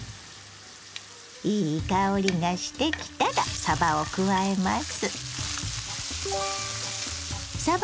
いい香りがしてきたらさばを加えます。